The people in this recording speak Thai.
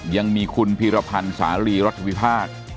ยังมีคุณพีรพันธ์สาลีรัฐวิพากษ์